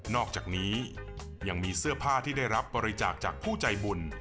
อกจากนี้ยังมีเสื้อผ้าที่ได้รับบริจาคจากผู้ใจบุญ